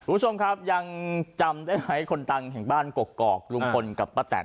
คุณผู้ชมครับยังจำได้ไหมคนดังแห่งบ้านกกอกลุงพลกับป้าแตน